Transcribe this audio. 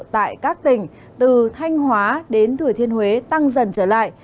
tại các tỉnh từ thanh hóa đến thừa thiên huế tăng dần trở lại